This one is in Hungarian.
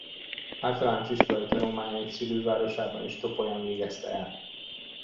Általános iskolai tanulmányait szülővárosában és Topolyán végezte el.